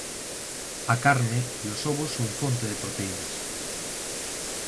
A carne e os ovos son fonte de proteínas.